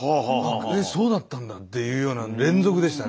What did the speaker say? えっそうだったんだっていうような連続でしたね